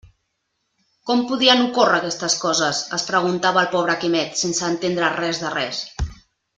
«Com podien ocórrer aquestes coses?», es preguntava el pobre Quimet sense entendre res de res.